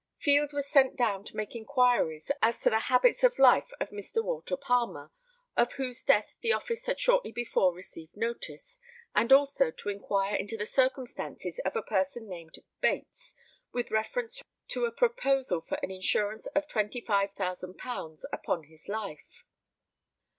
Field was sent down to make inquiries as to the habits of life of Mr. Walter Palmer, of whose death the office had shortly before received notice, and also to inquire into the circumstances of a person named Bates, with reference to a proposal for an insurance of £25,000 upon his life.